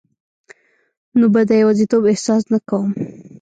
نو به د یوازیتوب احساس نه کوم